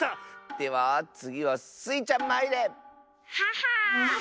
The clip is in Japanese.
ではつぎはスイちゃんまいれ！ははっ。